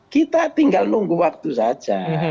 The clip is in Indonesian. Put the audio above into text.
kita tinggal nunggu waktu saja